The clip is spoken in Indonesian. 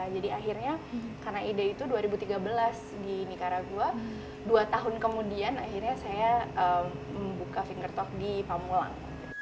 jadi akhirnya karena ide itu dua ribu tiga belas di nicaragua dua tahun kemudian akhirnya saya membuka finger talk di pamulang